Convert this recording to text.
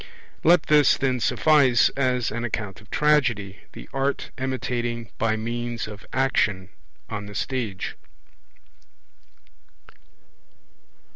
Let this, then, suffice as an account of Tragedy, the art imitating by means of action on the stage.